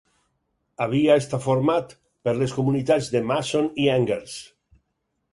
Havia esta format per les comunitats de Masson i Angers.